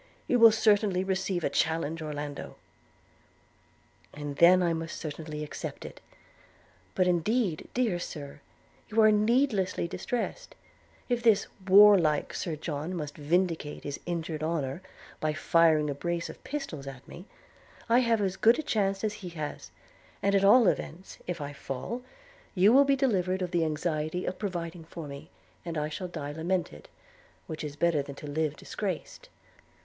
'You will certainly receive a challenge, Orlando.' 'And then I must certainly accept it. But indeed, dear Sir, you are needlessly distressed: if this warlike Sir John must vindicate his injured honour by firing a brace of pistols at me, I have as good a chance as he has; and at all events, if I fall, you will be delivered from the anxiety of providing for me, and I shall die lamented, which is better than to live disgraced.